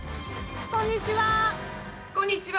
こんにちは。